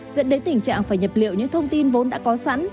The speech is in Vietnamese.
dẫn đến tình trạng phải nhập liệu những thông tin vốn đã có sẵn